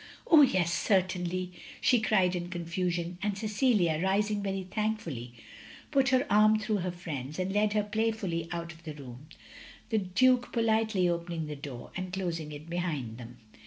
"Oh yes, certainly," she cried in conftision; and Cecilia, rising very thankfully, put her arm through her friend's, and led her playfully out of the room; the Duke politely opening the door, and closing it behind them.